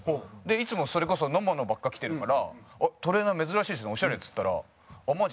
いつもそれこそ野茂のばっか着てるから「あっトレーナー珍しいですねオシャレ」っつったら「あっマジ？